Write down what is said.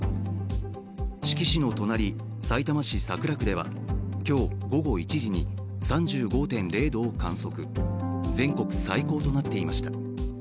志木市の隣、さいたま市桜区では今日午後１時に、３５．０度を観測全国最高となっていました。